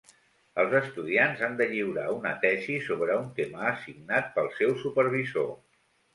Els estudiants han de lliurar una tesis sobre un tema assignat pel seu supervisor.